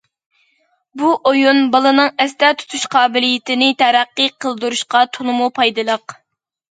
بۇ ئويۇن بالىنىڭ ئەستە تۇتۇش قابىلىيىتىنى تەرەققىي قىلدۇرۇشقا تولىمۇ پايدىلىق.